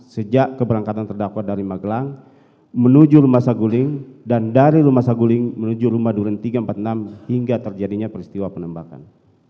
sejak keberangkatan terdakwa dari magelang menuju rumah saguling dan dari rumah saguling menuju rumah duren tiga ratus empat puluh enam hingga terjadinya peristiwa penembakan